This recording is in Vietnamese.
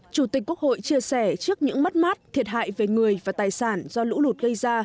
chủ tịch quốc hội chia sẻ trước những mất mát thiệt hại về người và tài sản do lũ lụt gây ra